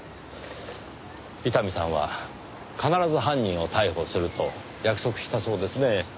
伊丹さんは必ず犯人を逮捕すると約束したそうですね。